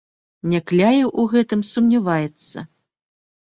Някляеў у гэтым сумняваецца.